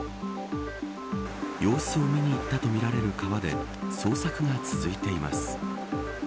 様子を見に行ったとみられる川で捜索が続いています。